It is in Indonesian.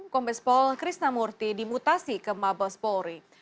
kompes pol krisnamurti dimutasi ke mabos polri